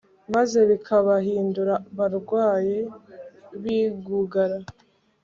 maze bikabahindura barwayi bi gugara